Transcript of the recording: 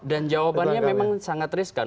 dan jawabannya memang sangat riskan